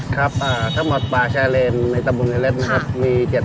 ครับทั้งหมดป่าชายเลนในตะบุนเฮเล็ดมี๗๑๑๘ไร่